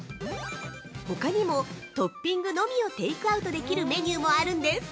◆ほかにも、トッピングのみをテイクアウトできるメニューもあるんです！